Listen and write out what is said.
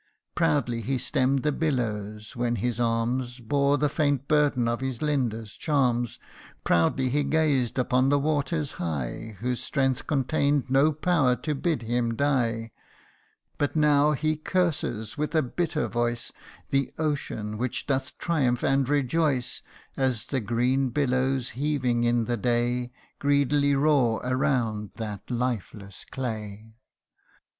Proudly he stemm'd the billows, when his arms Bore the faint burden of his Linda's charms : Proudly he gazed upon the waters high, Whose strength contain'd no power to bid him die : CANTO IV. 159 But now he curses, with a bitter voice, The ocean, which doth triumph and rejoice, As the green billows, heaving in the day, Greedily roar around that lifeless clay.